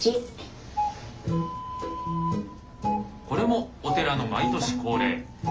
これもお寺の毎年恒例。